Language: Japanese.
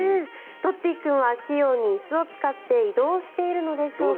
ロッティ君は器用に椅子を使って移動しているのでしょうか。